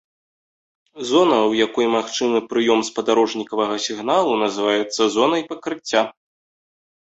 Зона, у якой магчымы прыём спадарожнікавага сігналу, называецца зонай пакрыцця.